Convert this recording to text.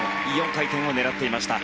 ４回転を狙っていました。